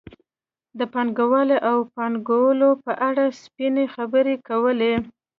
د پانګوالۍ او پانګوالو په اړه سپینې خبرې کولې.